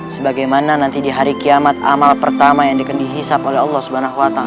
sebagaimana nanti di hari kiamat amal pertama yang dihisap oleh allah swt